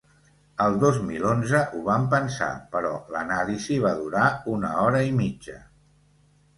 El dos mil onze ho vam pensar, però l’anàlisi va durar una hora i mitja.